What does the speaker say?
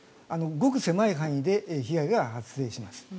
ごく狭い範囲で被害が発生します。